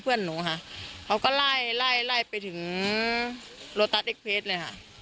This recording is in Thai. เพื่อนหนูค่ะเขาก็ไล่ไล่ไล่ไปถึงโลตัสเอ็กเพชเลยค่ะ